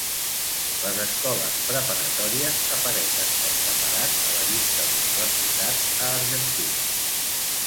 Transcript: Les escoles preparatòries apareixen per separat a la llista d"universitats a Argentina.